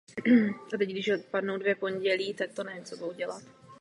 Ze dvanáctého místa v kvalifikaci Grand Prix Španělska dojel čtrnáctý.